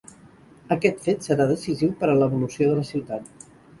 Aquest fet serà decisiu per a l'evolució de la ciutat.